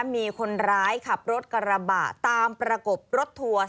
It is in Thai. มีคนร้ายขับรถกระบะตามประกบรถทัวร์